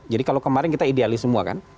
jadi kalau kemarin kita idealis semua kan